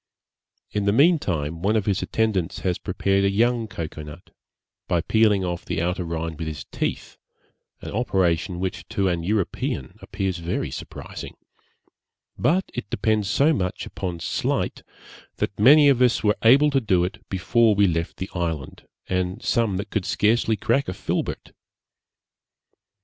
In the meantime one of his attendants has prepared a young cocoa nut, by peeling off the outer rind with his teeth, an operation which to an European appears very surprising; but it depends so much upon sleight, that many of us were able to do it before we left the island, and some that could scarcely crack a filbert.